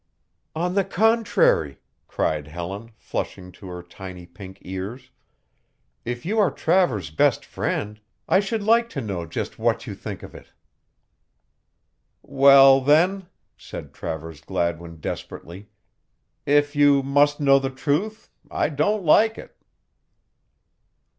"On the contrary," cried Helen, flushing to her tiny pink ears, "if you are Travers's best friend, I should like to know just what you think of it." "Well, then," said Travers Gladwin desperately, "if you must know the truth, I don't like it."